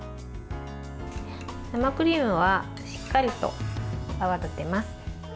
生クリームはしっかりと泡立てます。